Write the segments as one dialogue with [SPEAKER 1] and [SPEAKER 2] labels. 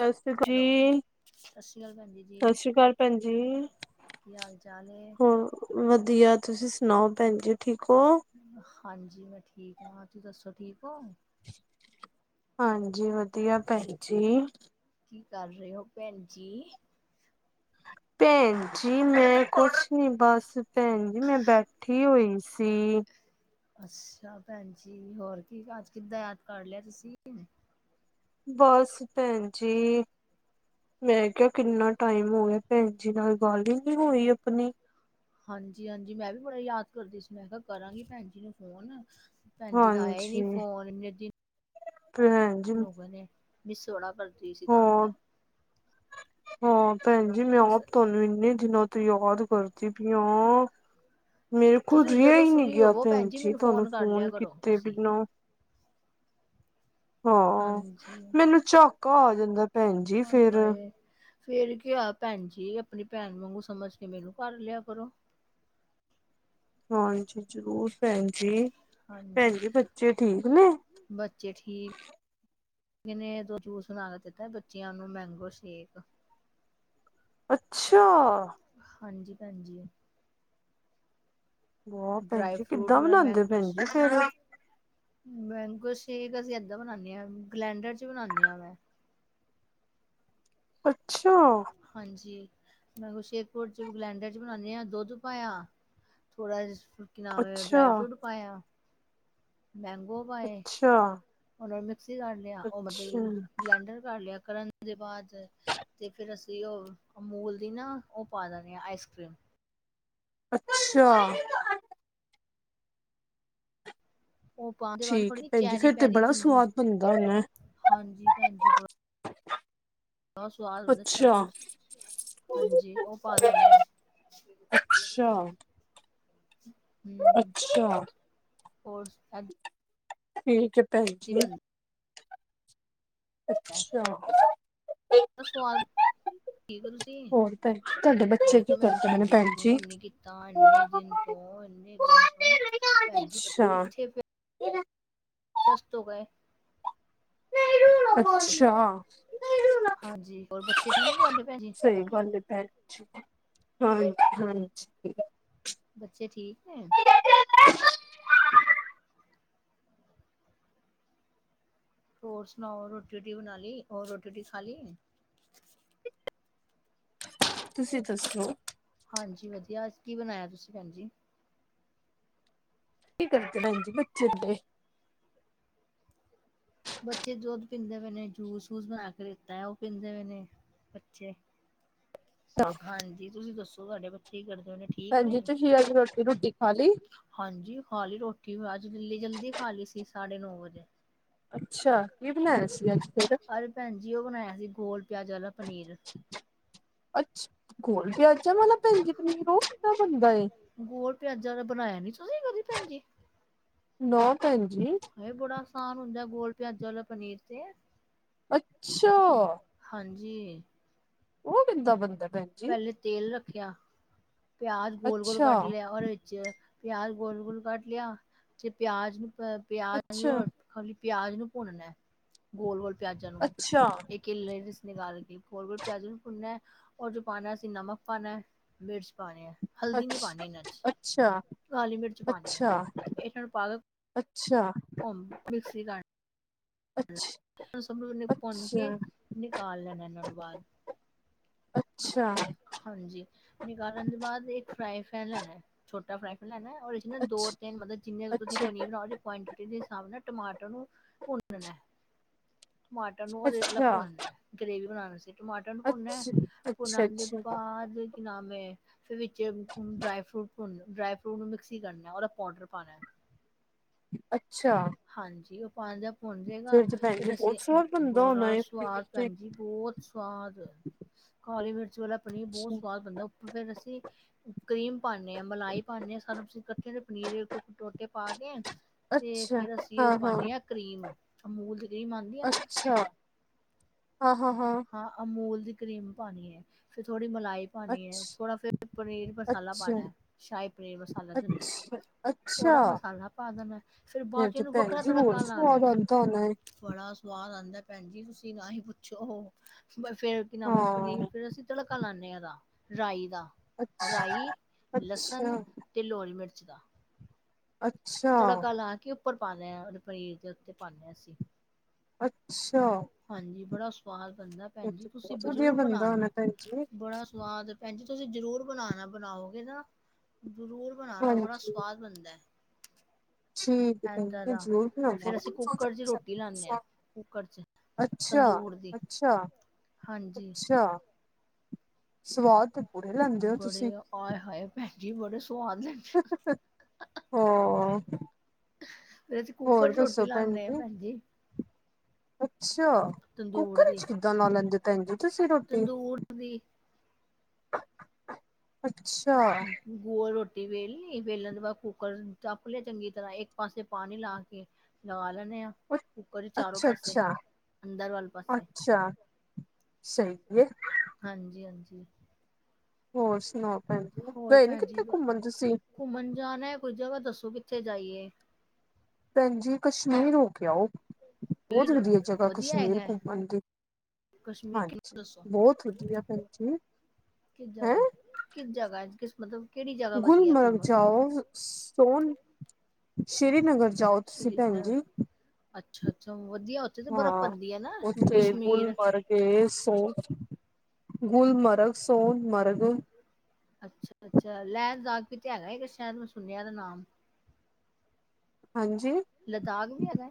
[SPEAKER 1] ਸਤਿ ਸ਼੍ਰੀ
[SPEAKER 2] ਹੈਲੋ
[SPEAKER 1] ਜੀ
[SPEAKER 2] ਸਤਿ ਸ੍ਰੀ ਅਕਾਲ ਭੈਣ ਜੀ
[SPEAKER 1] ਸਤਿ
[SPEAKER 2] ਜੀ
[SPEAKER 1] ਸ਼੍ਰੀ ਅਕਾਲ ਭੈਣ ਜੀ
[SPEAKER 2] ਕੀ ਹਾਲ ਚਾਲ ਹੈ
[SPEAKER 1] ਹੋਰ ਵਧੀਆ ਤੁਸੀਂ ਸੁਣਾਓ ਭੈਣ ਜੀ ਠੀਕ ਹੋ
[SPEAKER 2] ਹਾਂਜੀ ਮੈਂ ਠੀਕ ਹਾਂ ਤੂੰ ਦੱਸੋ ਠੀਕ ਹੋ
[SPEAKER 1] ਹਾਂਜੀ ਵਧੀਆ ਭੈਣ ਜੀ
[SPEAKER 2] ਕੀ ਕਰ ਰਹੇ ਹੋ ਭੈਣ ਜੀ
[SPEAKER 1] ਭੈਣ ਜੀ ਮੈਂ ਕੁਛ ਨੀ ਬਸ ਭੈਣ ਜੀ ਮੈਂ ਬੈਠੀ ਹੋਈ ਸੀ
[SPEAKER 2] ਅੱਛਾ ਭੈਣ ਜੀ ਹੋਰ ਕੀ ਅੱਜ ਕਿੱਦਾਂ ਆਾਤ ਕਰ ਲਿਆ ਤੁਸੀਂ
[SPEAKER 1] ਬਸ ਭੈਣ ਜੀ ਮੈਂ ਕਿਹਾ ਕਿੰਨਾ ਟਾਈਮ ਹੋ ਗਿਆ ਭੈਣ ਜੀ ਨਾਲ ਗੱਲ ਹੀ ਨੀ ਹੋਈ ਆਪਣੀ
[SPEAKER 2] ਹਾਂਜੀ ਹਾਂਜੀ ਮੈਂ ਵੀ ਬੜਾ ਯਾਦ ਕਰਦੀ ਸੀ ਮੈਂ ਕਿਹਾ ਕਰਾਂਗੀ ਭੈਣ ਜੀ ਨੂੰ ਫੋਨ ਭੈਣਜੀ ਤਾਂ ਆ ਨੀ ਫੋਨ ਮ
[SPEAKER 1] ਹਮ
[SPEAKER 2] ਸੋਹਣਾ ਕਰਦੀ ਸੀ ਤੁਹਾਨੂੰ ਮੈਂ
[SPEAKER 1] ਹੋਰ ਹਾਂ ਭੈਣ ਜੀ
[SPEAKER 2] ਹੋਰ
[SPEAKER 1] ਮੈਂ ਤੁਹਾਨੂੰ ਇੰਨੀ ਦਿਨੋ ਤੂੰ ਯਾਦ ਕਰਦੀ ਪਈ ਹਾ ਮੇਰੇ ਕੋਲ
[SPEAKER 2] ਤੁਸੀਂ
[SPEAKER 1] ਰਿਹਾ
[SPEAKER 2] ਜਦੋਂ
[SPEAKER 1] ਹੀ ਨਹੀਂ
[SPEAKER 2] ਫਰੀ
[SPEAKER 1] ਗਿਆ
[SPEAKER 2] ਹੋਵੋ
[SPEAKER 1] ਭੈਣ ਜੀ
[SPEAKER 2] ਮੈਨੂੰ
[SPEAKER 1] ਤੁਹਾਨੂੰ
[SPEAKER 2] ਕਰ ਲਿਆ
[SPEAKER 1] ਫੋਨ
[SPEAKER 2] ਕਰੋ
[SPEAKER 1] ਕੀਤੇ
[SPEAKER 2] ਤੁਸੀਂ
[SPEAKER 1] ਬਿਨਾਂ ਹਾਂ
[SPEAKER 2] ਹਾਂਜੀ
[SPEAKER 1] ਮੈਨੂੰ ਝਾਕਾ ਆ ਜਾਂਦਾ ਭੈਣ ਜੀ
[SPEAKER 2] ਹਾਏ
[SPEAKER 1] ਫੇਰ
[SPEAKER 2] ਹਾਏ ਫੇਰ ਕਿਹਾ ਭੈਣ ਜੀ ਆਪਣੀ ਭੈਣ ਵਾਂਗੂ ਸਮਝ ਕੇ ਮੈਨੂੰ ਕਰ ਲਿਆ ਕਰੋ,
[SPEAKER 1] ਹਾਂਜੀ ਜ਼ਰੂਰ ਭੈਣ ਜੀ
[SPEAKER 2] ਹਾਂਜੀ
[SPEAKER 1] ਭੈਣ ਜੀ ਬੱਚੇ ਠੀਕ ਨੇ,
[SPEAKER 2] ਬੱਚੇ ਠੀਕ ਨੇ ਜੂਸ ਬਣਾ ਕੇ ਦਿੱਤਾ ਬੱਚਿਆਂ ਨੂੰ ਮੈਂਗੋ ਸ਼ੇਕ
[SPEAKER 1] ਅੱਛਾ
[SPEAKER 2] ਹਾਂਜੀ ਭੈਣਜੀ।
[SPEAKER 1] ਵਾਹ ਭੈਣ
[SPEAKER 2] ਡ੍ਰਾਈ
[SPEAKER 1] ਜੀ
[SPEAKER 2] ਫਰੂਟ
[SPEAKER 1] ਕਿੱਦਾਂ
[SPEAKER 2] ਵਾਲਾ
[SPEAKER 1] ਬਣਾਉਂਦੇ
[SPEAKER 2] ਮੈਗੋਸ
[SPEAKER 1] ਭੈਣ ਜੀ ਫੇਰ
[SPEAKER 2] ਮੈਂਗੋ ਸ਼ੇਕ ਅਸੀਂ ਇਦਾਂ ਬਣਾਉਂਦੇ ਹਾਂ ਗੈਲੈਂਡਰ ਚ ਬਣਾਉਦੇ ਹਾਂ, ਮੈਂ
[SPEAKER 1] ਅੱਛਾ
[SPEAKER 2] ਹਾਂਜੀ ਮੈਂਗੋ ਸ਼ੇਕ ਗਲੈਂਡਰ ਚ ਬਣਾਉਂਦੇ ਹਾਂ ਦੁੱਧ ਪਾਇਆ ਥੋੜਾ ਜ ਕੀ ਨਾਮ ਹੈ
[SPEAKER 1] ਅੱਛਾ
[SPEAKER 2] ਡਰਾਈ ਫਰੂਟ ਪਾਇਆ ਮੈਂਗੋ ਪਾਏ
[SPEAKER 1] ਅੱਛਾ
[SPEAKER 2] ਉਹਨਾਂ ਨੂੰ ਮਿਕਸੀ ਕਰ ਲਿਆ ਉਹ ਮਤਲਬ
[SPEAKER 1] ਅੱਛਾ
[SPEAKER 2] ਬਲੈਂਡਰ ਕਰ ਲਿਆ ਕਰਨ ਓਹਦੇ ਬਾਅਦ। ਅਤੇ ਫਿਰ ਅਸੀਂ ਉਹ ਅਮੂਲ ਦੀ ਨਾ ਉਹ ਪਾ ਲੈਂਦੇ ਹਾਂ ਆਈਸ ਕਰ੍ਰੀਮ
[SPEAKER 1] ਅੱਛਾ।
[SPEAKER 2] ਉਹ ਪਾਣ ਦੇ ਬਾਅਦ
[SPEAKER 1] ਠੀਕ,
[SPEAKER 2] ਥੋੜੀ
[SPEAKER 1] ਭੈਣਜੀ
[SPEAKER 2] ਚੈਰੀ
[SPEAKER 1] ਫੇਿਰ ਤੇ
[SPEAKER 2] ਪੈਰੀ
[SPEAKER 1] ਬੜਾ
[SPEAKER 2] ਹੁੰਦੀ
[SPEAKER 1] ਸਵਾਦ ਬਣਦਾ ਹੋਨਾ।
[SPEAKER 2] ਹਾਂਜੀ
[SPEAKER 1] [unintelligible]
[SPEAKER 2] ਬਹੁਤ ਸਵਾਦ ਬਣਦਾ ਹੈ [unintelligible] ਹਾਂਜੀ ਉਹ ਪਾ ਦਿੰਨੇ ਆ।
[SPEAKER 1] ਅੱਛਾ
[SPEAKER 2] ਹਮਮ,
[SPEAKER 1] ਅੱਛਾ
[SPEAKER 2] ਹੋਰ
[SPEAKER 1] ਠੀਕ ਹੈ ਭੈਣ ਜੀ।
[SPEAKER 2] ਬਣਦਾ
[SPEAKER 1] ਅੱਛਾ।
[SPEAKER 2] ਨ ਸਵਾਦ, ਠੀਕ ਹੋ ਤੁਸੀਂ?
[SPEAKER 1] ਹੋਰ ਤਾਂ ਤੁਹਾਡੇ ਬਚ
[SPEAKER 2] ਮੈਂ ਕਿਹਾ ਮੈਨੂੰ ਭੈਣ ਜੀ ਨੇ ਫੋਨ ਨੀ ਕੀਤਾ ਇੰਨੇ ਦਿਨ ਤੋਂ, ਇੰਨੇ ਦਿਨ ਤੋਂ। ਭੈਣ ਜ ਪਤਾ ਨੀ ਕਿੱਥੇ
[SPEAKER 1] ਇਹ
[SPEAKER 2] ਵਿਅਸਤ ਹੋ ਗਏ
[SPEAKER 1] ਹ ਅੱਛਾ
[SPEAKER 2] ਹਾਂਜੀ ਹੋਰ ਬੱਚੇ ਠੀਕ ਨੇ ਤੁਹਾਡੇ ਭੈਣ ਜੀ
[SPEAKER 1] ਸਹੀ ਗੱਲ ਹੈ ਭੈ ਹਾਂਜੀ ਹਾਂਜੀ
[SPEAKER 2] ਬੱਚੇ ਠੀਕ ਹੈ
[SPEAKER 1] [unintelligible]
[SPEAKER 2] ਹੋਰ ਸੁਣਾਓ ਰੋਟੀ-ਰੂਟੀ ਬਣਾ ਲਈ ਹੋਰ ਰੋਟੀ-ਰੂਟੀ ਖਾ ਲਈ?
[SPEAKER 1] ਤੁਸੀਂ ਦੱਸੋ।
[SPEAKER 2] ਹਾਂਜੀ ਵਧੀਆ ਅੱਜ ਕੀ ਬਣਾਇਆ ਹੈ ਤੁਸੀਂ ਭੈਣ ਜੀ?
[SPEAKER 1] ਕੀ ਕਰਦੇ ਭੈਣਜੀ ਬੱਚੇ ਦੇ
[SPEAKER 2] ਬੱਚੇ ਦੁੱਧ ਪੀਂਦੇ ਪਏ ਨੇ ਜੂਸ-ਵੁਸ ਬਣਾ ਕੇ ਦਿੱਤਾ ਉਹ ਪੀਂਦੇ ਪਏ ਨੇ ਬੱਚੇ।
[SPEAKER 1] [inaudible]
[SPEAKER 2] ਹਾਂਜੀ, ਤੁਸੀਂ ਦੱਸੋ ਤੁਹਾਡੇ ਬੱਚੇ ਕਿ ਕਰਦੇ? ਨੇ ਠੀਕ ਨੇ
[SPEAKER 1] ਹਾਂਜੀ ਤੁਸੀਂ ਅੱਜ ਰੋਟੀ ਰੂਟੀ ਖਾ ਲਈ?
[SPEAKER 2] ਹਾਂਜੀ ਖਾ ਲਈ ਰੋਟੀ ਅੱਜ ਜਲਲੀਜਲਦੀ ਖਾ ਲਈ ਸੀ ਸਾਢੇ ਨੌ ਵਜੇ।
[SPEAKER 1] ਅੱਛਾ, ਕੀ ਬਣਾਇਆ
[SPEAKER 2] ਹਾਂਜੀ
[SPEAKER 1] ਸੀ ਅੱਜ ਫੇਰ?
[SPEAKER 2] ਅਰੇ ਭੈਣ ਜੀ ਉਹ ਬਣਾਇਆ ਸੀ ਗੋਲ ਪਿਆਜ ਵਾਲਾ ਪਨੀਰ।
[SPEAKER 1] ਅੱਛਾ ਗੋਲ ਪਿਆਜ਼ ਚੱਲੋ ਮੈਂ ਭੇਜ ਦਿਨੀਂ ਆ
[SPEAKER 2] ਗੋਲ ਪਿਆਜ਼ਾਂ ਦਾ ਬਣਾਇਆ ਨੀ ਤੁਸੀਂ ਕਦੀ ਭੈਣ
[SPEAKER 1] [unintelligible]
[SPEAKER 2] ਜੀ
[SPEAKER 1] ਨੋ ਭੈਣ ਜੀ।
[SPEAKER 2] ਏ ਬੜਾ ਆਸਾਨ ਹੁੰਦਾ ਹੈ ਗੋਲ ਪਿਆਜਾ ਵਾਲਾ ਪਨੀਰ ਤੇ।
[SPEAKER 1] ਅੱਛਾ
[SPEAKER 2] ਹਾਂਜੀ
[SPEAKER 1] ਉਹ ਕੀਦਾ ਬੰਦਾ ਨੇ।
[SPEAKER 2] ਪਹਿਲੇ ਤੇਲ ਰੱਖਿਆ, ਪਿਆਜ ਗੋਲ-ਗੋਲ
[SPEAKER 1] ਅੱਛਾ
[SPEAKER 2] ਕੱਟ ਲਿਆ ਉਹਦੇ ਵਿੱਚ ਪਿਆਜ ਗੋਲ-ਗੋਲ ਕੱਟ ਲਿਆ, ਜੇ ਪਿਆਜ ਨੂੰ ਪਿਆਜ
[SPEAKER 1] ਅੱਛਾ
[SPEAKER 2] ਖਾਲੀ ਪਿਆਜ ਨੂੰ ਭੁੰਨਣਾ ਹੈ, ਗੋਲ-ਗੋਲ ਪਿਆਜਾਂ ਨੂੰ
[SPEAKER 1] ਅੱਛਾ
[SPEAKER 2] ਇਕ ਲੇਇਰਸ ਨਿਕਾਲ ਦੀ ਗੋਲ ਗੋਲ ਪਿਆਜ਼ੂ ਨੂੰ ਭੁੰਨਨਾ ਹੈ ਹੌਰ ਜੋ ਪਾਣਾ ਸੀ ਨਮਕ ਪਨਾ ਹੈ, ਮਿਰਚ ਪਾਣੇ ਆ।
[SPEAKER 1] ਅੱਛ ਅੱਛਾ।
[SPEAKER 2] ਕਾਲੀ ਮਿਰਚ ਪਾਉਣੀ ਹੈ
[SPEAKER 1] ਅੱਛਾ
[SPEAKER 2] ਇਹ ਤੁਹਾਨੂੰ ਪਾ ਦੋ
[SPEAKER 1] ਅੱਛਾ।
[SPEAKER 2] ਓਮ ਮਿਕਸੀ ਕੱਡ
[SPEAKER 1] ਅੱਛ
[SPEAKER 2] ਏਨਾ ਸਭਨਾ ਨੂੰ ਭੁੰਨ ਕੇ
[SPEAKER 1] ਅੱਛਾ
[SPEAKER 2] ਨਿਕਾਲ ਲੈਣਾ ਹੈ ਇਹਨਾਂ ਨੂੰ ਬਾਹਰ।
[SPEAKER 1] ਅੱਛਾ
[SPEAKER 2] ਹਾਂਜੀ ਨਿਕਾਲਨ ਦੇ ਬਾਅਦ ਇੱਕ ਫਰਾਈ ਪੈਨ ਲੈਣਾ ਛੋਟਾ ਫਰਾਈ ਪੈਨ ਲੈਣਾ ਦੋ
[SPEAKER 1] ਅੱਛ
[SPEAKER 2] ਤਿੰਨ ਮਤਲਬ ਜਿੰਨੇ ਤੁਸੀਂ
[SPEAKER 1] ਅੱਛਾ
[SPEAKER 2] ਪਨੀਰ ਬਣਾਓ ਕੁਆਂਟਿਟੀ ਦੇ ਹਿਸਾਬ ਨਾਲ ਟਮਾਟਰ ਨੂੰ ਭੁੰਨਣਾ ਟਮਾਟਰ ਨੂੰ ਅਲਗ
[SPEAKER 1] ਅੱਛਾ
[SPEAKER 2] ਭੁੰਣਨਦਾ ਹੈ ਗ੍ਰੇਵੀ ਬਣਾਉਣਾ ਸੀ ਟਮਾਟਰ ਨੂੰ ਭੁੰਨਨਾ
[SPEAKER 1] ਅੱਛ ਅੱਛਾ
[SPEAKER 2] ਭੁੰਨ ਦੇ
[SPEAKER 1] ਅੱਛਾ
[SPEAKER 2] ਬਾਅਦ ਕੀ ਨਾਮ ਏ ਵਿਚ ਡਰਾਈ ਫਰੂਟ ਡਰਾਈ ਫਰੂਟ ਨੂੰ ਮਿਕਸੀ ਕਰਨੀ ਉਹਦਾ ਪਾਊਡਰ ਪਾਣਾ
[SPEAKER 1] ਅੱਛਾ
[SPEAKER 2] ਹਾਂਜੀ ਉਹ ਪਾਉਣ ਦਾ ਪਾਂ ਜਾੇਗਾ
[SPEAKER 1] ਫੇਰ ਤੇ ਭੈਣ ਜੀ
[SPEAKER 2] ਫਿਰ ਅਸੀਂ
[SPEAKER 1] ਬਹੁਤ ਸਵਾਦ ਬਣਦਾ ਹੋਣਾ
[SPEAKER 2] ਬੜਾ
[SPEAKER 1] ਏ
[SPEAKER 2] ਸਵਾਦ ਭੈਣ ਜੀ ਬਹੁਤ ਸਵਾਦ ਕਾਲੀ ਮਿਰਚ ਵਾਲਾ ਪਨੀਰ ਬਹੁਤ ਸਵਾਦ ਬਣਦਾ ਉੱਪਰ ਫਿਰ ਅਸੀਂ ਕਰੀਮ ਪਾਉਂਦੇ ਹਾਂ ਮਲਾਈ ਪਾਉਂਦੇ ਹਾਂ ਸ ਤੁਸੀਂ ਇਕੱਠੇ ਦੇ ਪਨੀਰ ਦੇ ਟ ਟੋਟੇ ਪਾ ਕੇ ਆ
[SPEAKER 1] ਅੱਛਾ
[SPEAKER 2] ਅਸੀਂ ਉਹ ਪਾਉਦੇ ਹਾਂ ਕਰੀਮ ਅਮੂਲ ਦੀ ਕਰੀਮ ਆਂਦੀ ਐ ਨਾ
[SPEAKER 1] ਅੱਛਾ ਹਾਂ ਹਾਂ ਹਾਂ।
[SPEAKER 2] ਹਾਂ ਅਮੂਲ ਦੀ ਕ੍ਰੀਮ ਪਾਣੀ ਹੈ, ਫੇਰ ਥੋੜੀ ਮਲਾਈ ਪਾਣੀ
[SPEAKER 1] ਅੱਛ
[SPEAKER 2] ਹੈ ਥੋੜ੍ਹਾ ਫਿਰ ਪਨੀਰ ਮਸਾਲਾ
[SPEAKER 1] ਅੱਛਾ
[SPEAKER 2] ਪਾਉਣਾ ਹੈ, ਸ਼ਾਹੀ ਪਨੀਰ ਮਸਾਲਾ ਦੇਂਦਾ।
[SPEAKER 1] ਅੱਛ
[SPEAKER 2] ਥੋੜਾ
[SPEAKER 1] ਅੱਛਾ
[SPEAKER 2] ਮਸਾਲਾ ਪਾ ਦੇਣਾ, ਫਿਰ
[SPEAKER 1] ਫੇਰ
[SPEAKER 2] ਬਾਅਦ ਵਿਚ
[SPEAKER 1] ਤੇ
[SPEAKER 2] ਓਨੂੰ
[SPEAKER 1] ਭੈਣ
[SPEAKER 2] ਵੱਖਰਾ
[SPEAKER 1] ਜੀ ਹੋਰ
[SPEAKER 2] ਤੜਕਾ ਲਾਣਾ।
[SPEAKER 1] ਸਵਾਦ ਆਂਦਾ ਹੋਣਾ ਏ,
[SPEAKER 2] ਬੜਾ ਸਵਾਦ ਆਉਂਦਾ ਏ ਭੈਣ ਜੀ, ਤੁਸੀਂ ਨਾ ਹੀ ਪੁੱਛੋ, ਪਰ ਫੇਰ ਕਿ ਨਵੇਂ ਪਨੀਰ
[SPEAKER 1] ਹਾਂ
[SPEAKER 2] ਫਿਰ ਅਸੀਂ ਤੜਕਾ ਲਾਦੇ ਹਾਂ ਉਹਦਾ ਰਾਈ ਦਾ
[SPEAKER 1] ਅੱਛਾ।
[SPEAKER 2] ਰਾਈ
[SPEAKER 1] ਅੱਛਾ,
[SPEAKER 2] ਲਸਣ ਤੇ ਲੋਲ ਮਿਰਚ ਦਾ
[SPEAKER 1] ਅੱਛਾ
[SPEAKER 2] ਤੜਕਾ ਲਾ ਕੇ ਉਪਰ ਪਾ ਲਿਆ ਸੀ
[SPEAKER 1] ਅੱਛਾ
[SPEAKER 2] ਹਾਂਜੀ ਬੜਾ ਸਵਾਦ ਬਣਦਾ
[SPEAKER 1] ਫੇਰ
[SPEAKER 2] ਭੈਣ ਜ
[SPEAKER 1] ਤੇ
[SPEAKER 2] ਤੁਸੀਂ
[SPEAKER 1] ਬਹੁਤ ਵਧੀਆ
[SPEAKER 2] ਜ਼ਰੂਰ
[SPEAKER 1] ਬਣਦਾ
[SPEAKER 2] ਬਣਾਨ
[SPEAKER 1] ਹੋਣਾ ਭੈਣ ਜੀ।
[SPEAKER 2] ਬੜਾ ਸਵਾਦ ਭੈਣ ਜੀ ਤੁਸੀਂ ਜ਼ਰੂਰ ਬਣਾਉਣਾ ਬਣਾਓਗੇ ਨਾ ਜ਼ਰੂਰ ਬਣਾਉਣਾ ਬੜਾ
[SPEAKER 1] ਹਾਂਜੀ,
[SPEAKER 2] ਸਵਾਦ ਬਣਦਾ
[SPEAKER 1] ਠੀਕ ਹੈ
[SPEAKER 2] ਏਦਾਂ
[SPEAKER 1] ਹ
[SPEAKER 2] ਦਾ।
[SPEAKER 1] ਜ਼ਰੂਰ ਕਿ
[SPEAKER 2] ਫੇਰ ਅਸੀਂ ਕੁੱਕਰ 'ਚ ਰੋਟੀ ਲਾਨੇ ਆ ਕੁੱਕਰ 'ਚ
[SPEAKER 1] ਅੱਛਾ
[SPEAKER 2] ਤੰਦੂਰ ਦੀ
[SPEAKER 1] ਅੱਛਾ
[SPEAKER 2] ਹਾਂਜੀ
[SPEAKER 1] ਅੱਛਾ ਸਵਾਦ ਬੜੇ ਲੈਂਦੇ ਓ
[SPEAKER 2] ਬੜੇ
[SPEAKER 1] ਤੁਸੀਂ।
[SPEAKER 2] ਆਏ ਹਾਏ ਭੈਣ ਜੀ ਬੜੇ ਸਵਾਦ ਲੈਂਦੇ
[SPEAKER 1] ਹ
[SPEAKER 2] ਫਿਰ ਅਸੀਂ ਕੁੂੱਕਰ ਚ ਰੋਟੀ ਲਾਉਦੇ ਆ ਭੈਣ ਜਜੀ
[SPEAKER 1] ਅੱਛਾ
[SPEAKER 2] ਤੰਦੂਰ
[SPEAKER 1] ਕੁੱਕਰ ਚ ਕਿੱਦਾਂ ਲਾ ਲੈਂਦੇ ਹੋ ਤੁਸੀਂ ਭੈਣ ਜੀ ਰੋਟੀ।
[SPEAKER 2] ਦੂਰ ਦੀ
[SPEAKER 1] ਅੱਛਾ
[SPEAKER 2] ਗੋਲ ਰੋਟੀ ਵੇਲ ਲਈ ਵੇਲਣ ਤੋਂ ਬਾਅਦ ਕੁੂੱਕਰ ਚੱਕ ਲਿਆ ਚੰਗੀ ਤਰ੍ਹਾਂ ਇੱਕ ਪਾਸੇ ਪਾਣੀ ਲਾ ਕੇ ਲਗਾ ਲੈਦੇ ਆ ਕੁੱਕਰ ਦੇ ਚਾਰੋਂ
[SPEAKER 1] ਅੱਛਾ,
[SPEAKER 2] ਪਾਸੇ
[SPEAKER 1] ਅੱਛਾ,
[SPEAKER 2] ਅੰਦਰ ਵਾਲੇ ਪਾਸੇ
[SPEAKER 1] ਅੱਛਾ ਸਹੀ ਹੈ
[SPEAKER 2] ਹਾਂਜੀ ਹਾਂਜੀ
[SPEAKER 1] ਹੋਰ ਸੁਣਾਓ ਭੈਣ ਜੀ
[SPEAKER 2] ਹੋਰ
[SPEAKER 1] ਗਏ ਨੀ
[SPEAKER 2] ਭੈਣ ਜੀ
[SPEAKER 1] ਕਿੱਥੇ
[SPEAKER 2] ਬਸ
[SPEAKER 1] ਘੁੰਮਣ ਤੁਸੀਂ
[SPEAKER 2] ਘੁੰਮਣ ਜਾਣਾ ਕੋਈ ਜਗ੍ਹਾ ਦੱਸੋ ਕਿੱਥੇ ਜਾਈਏ
[SPEAKER 1] ਭੈਣ ਜੀ ਕਸ਼ਮੀਰ ਹੋ ਕੇ ਆਓ ਬਹੁਤ
[SPEAKER 2] ਕਸ਼ਮੀਰ
[SPEAKER 1] ਵਧੀਆ ਜਗ੍ਹਾ
[SPEAKER 2] ਵਧੀਆ
[SPEAKER 1] ਕਸ਼ਮੀਰ
[SPEAKER 2] ਹੈਗਾ
[SPEAKER 1] ਘੁੰਮਣ ਦੀ।
[SPEAKER 2] ਕਸ਼ਮੀਰ ਕਿਨੂੰ
[SPEAKER 1] ਹਾਂਜੀ,
[SPEAKER 2] ਦੱਸੋ
[SPEAKER 1] ਬਹੁਤ ਵਧੀਆ ਭੈਣ ਜੀ।
[SPEAKER 2] ਕਿਸ
[SPEAKER 1] ਹੈਂ
[SPEAKER 2] ਜਗ੍ਹਾ ਕਿਸ ਜਗ੍ਹਾ ਕਿਸ ਮਤਲਬ ਕਿਹੜੀ ਜਗ੍ਹਾ ਵਧੀਆ
[SPEAKER 1] ਗੁਲਮਰਮ
[SPEAKER 2] ਘੁੰਮਣ
[SPEAKER 1] ਚਾਓ ਸੋਨ ਸ੍ਰੀਨਗਰ ਜਾਓ ਤੁਸੀਂ ਭੈਣ ਜੀ
[SPEAKER 2] ਅੱਛਾ ਅੱਛਾ ਵਧੀਆ ਉੱਥੇ ਤਾਂ ਬਰਫ਼ ਪੈਂਦੀ ਹੈ ਨਾ ਕਸ਼ਮੀਰ
[SPEAKER 1] ਤੇ ਸੋ ਗੁਲਮਰਗ ਸੋ ਮਰਗ
[SPEAKER 2] ਅੱਛਾ ਅੱਛਾ ਲੇਹ ਲਦਾਗ ਵੀ ਤੇ ਹੈਗਾ ਹੈ ਸ਼ਹਿਰ ਮ ਸੁਨਿਆ ਦਾ ਨਾਮ
[SPEAKER 1] ਹਾਂਜੀ
[SPEAKER 2] ਲਦਾਖ ਵੀ ਹੈਗਾ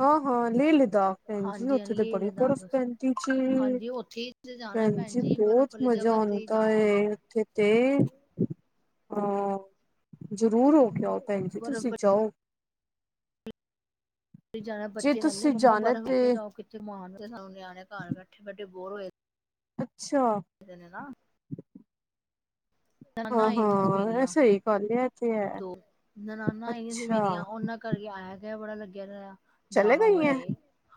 [SPEAKER 1] ਹਾਂ ਹਾਂ ਲੇਹ ਲਦਾਖ ਭੈਣ ਜੀ
[SPEAKER 2] ਹਾਂਜੀ ਹਾਂ
[SPEAKER 1] ਉੱਥੇ ਤਾਂ
[SPEAKER 2] ਲੇਹ
[SPEAKER 1] ਬੜੀ ਬਰਫ਼
[SPEAKER 2] ਲਦਾਖ
[SPEAKER 1] ਪੈਂਦੀ ਜੀ
[SPEAKER 2] ਹਾਂਜੀ ਉੱਥੇ ਹੀ ਤੇ ਜਾਣਾ ਹੈ ਭੈਣ
[SPEAKER 1] ਭੈਣਜੀ
[SPEAKER 2] ਜੀ ਬਰਫ਼
[SPEAKER 1] ਬਹੁਤ
[SPEAKER 2] ਵਾਲੀ
[SPEAKER 1] ਮਜ਼ਾ
[SPEAKER 2] ਜਗ੍ਹਾ ਤੇ ਹੀ
[SPEAKER 1] ਆਉਂਦਾ
[SPEAKER 2] ਜਾਣਾ ਮੈਂ
[SPEAKER 1] ਉੱਥੇ ਤੇ ਅਹ ਜ਼ਰੂਰ ਹੋ ਕੇ ਆਓ ਭੈਣ ਜੀ
[SPEAKER 2] ਬਰਫ਼
[SPEAKER 1] ਤੁਸੀਂ ਜਾਓ।
[SPEAKER 2] ਜਾਣਾ
[SPEAKER 1] ਜੇ
[SPEAKER 2] ਬੱਚੇ ਕਹਿੰਦੇ
[SPEAKER 1] ਤੁਸੀਂ
[SPEAKER 2] ਮੰਮਾ
[SPEAKER 1] ਜਾਣਾ
[SPEAKER 2] ਬਰਫ਼ ਲੈ ਕੇ
[SPEAKER 1] ਤੇ
[SPEAKER 2] ਜਾਓ [unintelligible] ਤੇ ਸਾਨੂੰ ਨਿਆਣੇ ਘਰ ਬੈਠੇ ਬੈਠੇ ਬੋਰ ਹੋਏ।
[SPEAKER 1] ਅੱਛਾ,
[SPEAKER 2] ਨਾ,
[SPEAKER 1] ਹਾਂ
[SPEAKER 2] ਜਾਣਾ
[SPEAKER 1] ਹਾਂ, ਐ ਸਹੀ ਗੱਲ ਐ। ਤੇ ਹੈ
[SPEAKER 2] ਦੋ ਨਣਾਨਾਂ ਆਈਆਂ ਸੀ
[SPEAKER 1] ਅੱਛਾ
[SPEAKER 2] ਮੇਰੀਆਂ ਉਹਨਾਂ ਕਰਕੇ ਆਇਆ ਗਿਆ ਬੜਾ ਲੱਗਿਆ ਰਿਹਾ
[SPEAKER 1] ਚਲੇ
[SPEAKER 2] ਜਾਣਾ
[SPEAKER 1] ਗਈ
[SPEAKER 2] ਹੋਇਆ
[SPEAKER 1] ਐ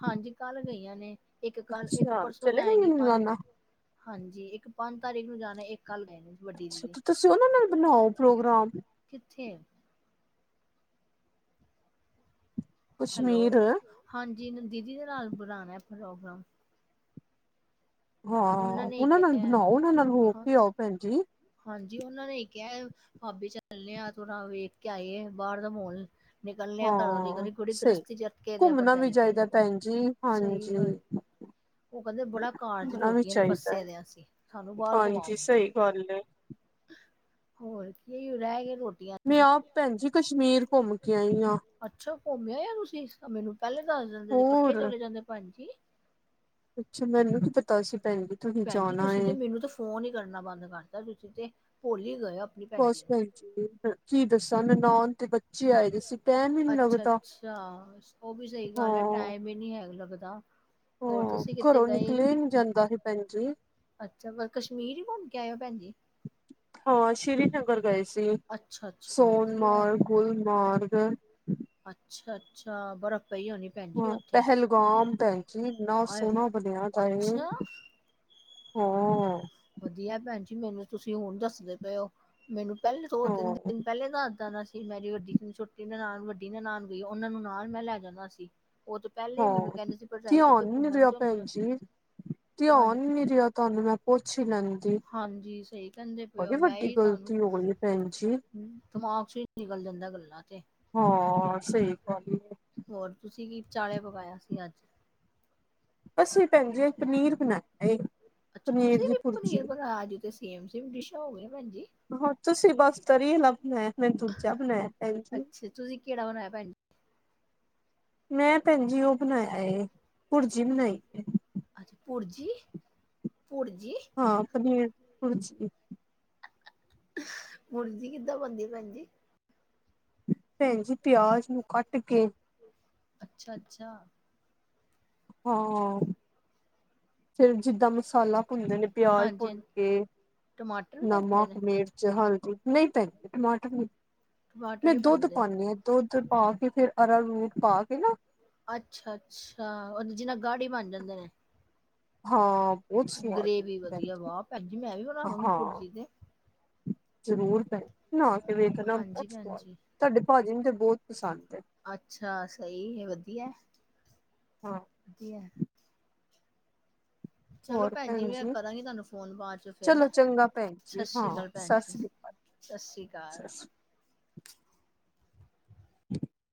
[SPEAKER 2] ਹਾਂਜੀ ਕੱਲ ਗਈਆਂ ਨੇ। ਇੱਕ ਕੱਲ ਇੱਕ
[SPEAKER 1] ਅੱਛਾ
[SPEAKER 2] ਪਰਸੋਂ
[SPEAKER 1] ਚਲੇ ਗਈ
[SPEAKER 2] ਜਾਏਗੀ
[SPEAKER 1] ਐ
[SPEAKER 2] ਪੰਜ
[SPEAKER 1] ਨਨਾਨਾ
[SPEAKER 2] ਹਾਂਜੀ, ਇੱਕ ਪੰਜ ਤਾਰੀਖ ਨੂੰ ਜਾਣਾ ਇੱਕ ਕੱਲ ਗਏ ਨੇ। ਵੱਡੀ
[SPEAKER 1] ਅੱਛਾ,
[SPEAKER 2] ਦੀਦੀ
[SPEAKER 1] ਤੇ ਤੁਸੀਂ ਉਹਨਾਂ ਨਾਲ ਬਣਾਓ ਪ੍ਰੋਗਰਾਮ।
[SPEAKER 2] ਕਿੱਥੇ ਹੈਲੋ,
[SPEAKER 1] ਕਸ਼ਮੀਰ
[SPEAKER 2] ਹਾਂਜੀ ਦੀਦੀ ਦੇ ਨਾਲ ਬਣਾਣਾ ਪ੍ਰੋਗਰਾਮ।
[SPEAKER 1] ਹਾਂ,
[SPEAKER 2] ਨੇ ਹੀ
[SPEAKER 1] ਉਹਨਾਂ ਨਾਲ
[SPEAKER 2] ਕਿਹਾ
[SPEAKER 1] ਬਣਾਓ ਉਹਨਾਂ ਨਾਲ ਹੋ
[SPEAKER 2] ਹਾਂ
[SPEAKER 1] ਕੇ ਆਓ ਭੈਣ ਜੀ।
[SPEAKER 2] ਹਾਂਜੀ, ਉਹਨਾਂ ਨੇ ਕਿਹਾ ਬਾਬੇ ਚ ਚੱਲਣੇ ਆ ਵੇਖ ਕੇ ਆਏ ਆ ਬਾਹਰ ਦਾ ਮਾਹੌਲ। ਨਿਕਲਣੇ ਘਰੋ
[SPEAKER 1] ਹਾਂ
[SPEAKER 2] [unintelligible]
[SPEAKER 1] ਸਹੀ
[SPEAKER 2] ਭਰ
[SPEAKER 1] ਘੁੰਮਣਾ ਵੀ
[SPEAKER 2] ਜਾਈ ਜੀ।
[SPEAKER 1] ਚਾਹੀਦਾ ਭੈਣ ਜੀ
[SPEAKER 2] ਸਈ
[SPEAKER 1] ਹਾਂਜੀ
[SPEAKER 2] ਗੱਲ, ਉਹ ਕਹਿੰਦੇ ਬੜਾ ਕਾਰਜ
[SPEAKER 1] ਘੁੰਮਣਾ
[SPEAKER 2] [unintelligible]
[SPEAKER 1] ਵੀ ਚਾਹੀਦਾ
[SPEAKER 2] ਫਸੇ
[SPEAKER 1] ਹੈ
[SPEAKER 2] ਦੇ ਅਸੀਂ ਸਾਨੂੰ ਬਾਹਰ ਘੁਮਾਉ।
[SPEAKER 1] ਹਾਂਜੀ ਸਹੀ ਗੱਲ ਐ
[SPEAKER 2] ਹੋਰ ਕੀ ਰਹਿ ਗਏ,
[SPEAKER 1] ਮੈਂ
[SPEAKER 2] ਚ
[SPEAKER 1] ਆਪ ਭੈਣ ਜੀ ਕਸ਼ਮੀਰ ਘੁੰਮ ਕੇ ਆਈ ਆ।
[SPEAKER 2] ਅੱਛਾ, ਘੁੰਮਿਆ ਆ ਤੁਸੀਂ ਮੈਨੂੰ ਪਹਿਲੇ ਦੱਸ ਦਿੰਦੇ ਸੀ ਇਕੱਠੇ
[SPEAKER 1] ਹੋਰ
[SPEAKER 2] ਚਲੇ ਜਾਂਦੇ ਭੈਣ ਜੀ।
[SPEAKER 1] ਅੱਛਾ, ਮੈਨੂੰ ਨੀ ਪਤਾ ਸੀ ਭੈਣ ਜੀ। ਤੁਸੀਂ
[SPEAKER 2] ਭੈਣ ਜੀ
[SPEAKER 1] ਜਾਣਾ
[SPEAKER 2] ਤੁਸੀਂ ਤੇ
[SPEAKER 1] ਏ।
[SPEAKER 2] ਮੈਨੂੰ ਤਾਂ ਫੋਨ ਹੀ ਕਰਨਾ ਬੰਦ ਕਰਤਾ ਤੁਸੀਂ ਤੇ ਭੁੱਲ ਈ ਗਏ ਓ।
[SPEAKER 1] ਬਸ ਭੈਣ ਜੀ ਕੀ ਦੱਸਾਂ ਨਨਾਣ ਤੇ ਬੱਚੇ ਆਏ ਦੇ ਸੀ ਟੈਮ ਹੀ ਨਹੀਂ
[SPEAKER 2] ਅੱਛਾ
[SPEAKER 1] ਲੱਗਦਾ
[SPEAKER 2] ਅੱਛਾ ਉਹ ਵੀ ਸਹੀ ਗੱਲ ਹੈ
[SPEAKER 1] ਹਾਂ।
[SPEAKER 2] ਟਾਈਮ ਹੀ ਨਹੀਂ ਹੈ ਲੱਗਦਾ। ਹੋਰ
[SPEAKER 1] ਹਾਂ,
[SPEAKER 2] ਤੁਸੀਂ ਕਿਤੇ
[SPEAKER 1] ਘਰੋਂ
[SPEAKER 2] ਗਏ
[SPEAKER 1] ਨਿਕਲਿਆ ਹੀ ਨੀ ਜਾਂਦਾ ਸੀ ਭੈਣ ਜੀ।
[SPEAKER 2] ਅੱਛਾ, ਪਰ ਕਸ਼ਮੀਰ ਹੀ ਘੁੰਮ ਕੇ ਆਏ ਓ ਭੈਣ ਜੀ।
[SPEAKER 1] ਹਾਂ, ਸ਼੍ਰੀਨਗਰ ਗਏ ਸੀ
[SPEAKER 2] ਅੱਛਾ ਅੱਛਾ ਵਧੀਆ
[SPEAKER 1] ਸੋਨਮਾਰਗ, ਗੁਲਮਾਰਗ।
[SPEAKER 2] ਅੱਛਾ-ਅੱਛਾ, ਬਰਫ਼ ਪਈ ਹੋਣੀ। ਭੈਣ ਜੀ
[SPEAKER 1] ਹਾਂ,
[SPEAKER 2] ਉੱਥੇ।
[SPEAKER 1] ਪਹਿਲਗਾਮ ਭੈਣ ਜੀ ਇੰਨਾ
[SPEAKER 2] ਆਏ
[SPEAKER 1] ਸੋਹਣਾ ਬਣਿਆ ਤਾ ਇਹ
[SPEAKER 2] ਅੱਛਾ
[SPEAKER 1] [unintelligible]
[SPEAKER 2] ਵਧੀਆ ਭੈਣ ਜੀ ਮੈਨੂੰ ਤੁਸੀਂ ਹੁਣ ਦੱਸਦੇ ਪਏ ਓ ਮੈਨੂੰ ਪਹਿਲੇ ਦੋ ਤਿੰਨ
[SPEAKER 1] ਹਾਂ
[SPEAKER 2] ਦਿਨ ਪਹਿਲੇ ਤਾਂ ਇੱਦਾਂ ਦਾ ਸੀ ਮੇਰੀ ਵੱਡੀ ਛੋਟੀ ਨਣਾਨ ਵੱਡੀ ਨਾਲ ਨਣਾਨ ਗਈ ਉਹਨਾਂ ਨੂੰ ਨਾਲ ਮੈਂ ਲੈ ਜਾਣਾ ਸੀ। ਉਹ ਤੋਂ ਪਹਿਲੇ ਮੈਨੂੰ
[SPEAKER 1] ਹਾਂ,
[SPEAKER 2] ਕਹਿੰਦੇ ਸੀ ਭਰਜਾਈ ਕਿਤੇ
[SPEAKER 1] ਧਿਆਨ ਹੀ ਨੀ
[SPEAKER 2] ਘੁੰਮਣ
[SPEAKER 1] ਰਗਾ
[SPEAKER 2] ਚੱਲਣੀ
[SPEAKER 1] ਭੈਣ
[SPEAKER 2] ਆ
[SPEAKER 1] ਜੀ
[SPEAKER 2] ਹਾਂਜੀ
[SPEAKER 1] ਧਿਆਨ ਈ ਨੀ ਰਿਹਾ। ਤੁਹਾਨੂੰ ਮੈਂ ਪੁੱਛ ਈ ਲੈਂਦੀ
[SPEAKER 2] ਹਾਂਜੀ, ਸਹੀ ਕਹਿੰਦੇ ਪਏ ਓ
[SPEAKER 1] ਬੜੀ
[SPEAKER 2] ਮੈਂ
[SPEAKER 1] ਵੱਡੀ
[SPEAKER 2] ਹੀ ਤੁਹਾਨੂੰ
[SPEAKER 1] ਗ਼ਲਤੀ ਹੋ ਗਈ ਭੈਣ ਜੀ।
[SPEAKER 2] ਦਿਮਾਗ ਚ ਈ ਨਿਕਲ ਜਾਂਦਾ ਗੱਲਾਂ ਤੇ।
[SPEAKER 1] ਹਾਂ, ਸਹੀ ਗੱਲ।
[SPEAKER 2] ਹੋਰ ਤੁਸੀਂ ਕੀ ਚਾਲੇ ਪਕਾਇਆ ਸੀ ਅੱਜ
[SPEAKER 1] ਅਸੀਂ ਭੈਣ ਜੀ, ਅੱਜ ਪਨੀਰ ਬਣਾ।
[SPEAKER 2] ਅੱਛਾ, ਤੁਸੀਂ ਵੀ ਪਨੀਰ ਬਣਾਇਆ, ਅੱਜ ਤੇ ਸੇਮ-ਸੇਮ ਡਿਸ਼ਾਂ ਹੋ ਗਈਆਂ ਭੈਜੀ।
[SPEAKER 1] ਹੋ ਤੁਸੀਂ ਬਸ ਤਰੀ ਆਲਾ ਬਣਾਇਆ, ਮੈ ਦੂਜਾ ਬਣਾਇਆ, ਭੈਣ ਜੀ।
[SPEAKER 2] ਅੱਛਾ ਤੁਸੀਂ ਕਿਹੜਾ ਬਣਾਇਆ ਭੈਣ ਜੀ
[SPEAKER 1] ਮੈਂ ਭੈਣ ਜੀ ਉਹ ਬਣਾਇਆ ਏ ਭੁਰਜੀ ਬਣਾਈ।
[SPEAKER 2] ਪੁੁਰਜੀ ਪੁੁਰਜੀ।
[SPEAKER 1] ਹਾਂ, ਪਨੀਰ ਦੀ ਭੁਜੀ।
[SPEAKER 2] ਭੁਰਜੀ ਕਿੱਦਾਂ ਬਣਦੀ ਭੈਣ ਜੀ।
[SPEAKER 1] ਭੈਣ ਜੀ ਪਿਆਜ ਨੂੰ ਕੱਟ ਕੇ
[SPEAKER 2] ਅੱਛਾ ਅੱਛਾ,
[SPEAKER 1] ਹਾਂ, ਫੇਰ ਜਿੱਦਾਂ ਮਸਾਲਾ ਪੁੰਨਦੇ ਨੇ। ਪਿਆਜ,
[SPEAKER 2] ਹਾਂਜੀ ਹਾਂ
[SPEAKER 1] ਫੁਲਕੇ,
[SPEAKER 2] ਟਮਾਟਰ ਵੀ ਪੈਂਦੇ
[SPEAKER 1] ਨਮਕ,
[SPEAKER 2] ਨੇ?
[SPEAKER 1] ਮਿਰਚ, ਹਲਦੀ। ਨਹੀਂ ਭੈਣ ਜੀ ਟਮਾਟਰ ਨਹੀਂ।
[SPEAKER 2] ਟਮਾਟਰ
[SPEAKER 1] ਮੈਂ
[SPEAKER 2] ਨੀ
[SPEAKER 1] ਦੁੱਧ
[SPEAKER 2] ਬਣਦੇ,
[SPEAKER 1] ਪਾਣੀ ਆ। ਦੁੱਧ ਪਾ ਕੇ ਫੇਰ ਅਰਾ ਰੂਟ ਪਾ ਕੇ ਨਾ।
[SPEAKER 2] ਅੱਛਾ-ਅੱਛਾ, ਜਿੰਨਾ ਗਾੜੀ ਬਣ ਜਾਂਦੇ ਨੇ।
[SPEAKER 1] ਹਾਂ। ਬਹੁਤ ਸਵਾਦ
[SPEAKER 2] ਗਰੇਵੀ
[SPEAKER 1] ਬਣਦੀ ਭੈਣ
[SPEAKER 2] ਵਧੀਆ
[SPEAKER 1] ਜੀ
[SPEAKER 2] ਵਾਹ ਭੈਣਜੀ ਮੈਂ ਵੀ ਬਣਾਵਾਂਗੀ
[SPEAKER 1] ਹਾਂ
[SPEAKER 2] ਪੁਰਜੀ ਤੇ।
[SPEAKER 1] ਜ਼ਰੂਰ ਭੈਣ ਜੀ ਬਣਾ ਕੇ ਵੇਖ ਨਾ
[SPEAKER 2] ਹਾਂਜੀ
[SPEAKER 1] ਬਹੁਤ
[SPEAKER 2] ਭੈਣ
[SPEAKER 1] ਸਵਾਦ ਐ।
[SPEAKER 2] ਜੀ,
[SPEAKER 1] ਤੁਹਾਡੇ ਭਾਜੀ ਨੂੰ ਤੇ ਬਹੁਤ ਪਸੰਦ ਐ।
[SPEAKER 2] ਅੱਛਾ, ਸਹੀ ਵਧੀਆ ਐ,
[SPEAKER 1] ਹਾਂ
[SPEAKER 2] ਵਧੀਆ ਐ। ਚਲੋ ਭੈਣ ਜੀ, ਮੈਂ ਕਰਾਂਗੀ ਤੁਹਾਨੂੰ ਫੋਨ ਬਾਅਦ ਚੋਂ ਫਿਰ ਹੈ
[SPEAKER 1] ਚਲੋ ਚੰਗਾ ਭੈਣ
[SPEAKER 2] ਸਤਿ
[SPEAKER 1] ਜੀ
[SPEAKER 2] ਸ੍ਰੀ
[SPEAKER 1] ਹਾਂ
[SPEAKER 2] ਅਕਾਲ ਭੈਣ
[SPEAKER 1] ਸਤਿ
[SPEAKER 2] ਜੀ।
[SPEAKER 1] ਸ੍ਰੀ ਅਕਾਲ
[SPEAKER 2] ਸਤਿ ਸ੍ਰੀ ਅਕਾਲ।
[SPEAKER 1] ਸਤਿ ਸ੍ਰੀ [inaudible]